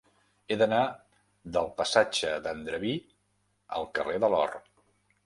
He d'anar del passatge d'Andreví al carrer de l'Or.